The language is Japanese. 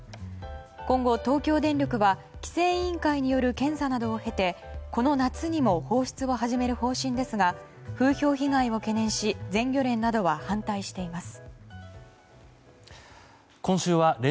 今後、東京電力は規制委員会による検査などを経てこの夏にも放出を始める方針ですが風評被害を懸念し全漁連などは反対しています。